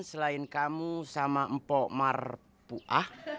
selain kamu sama mpok marpuah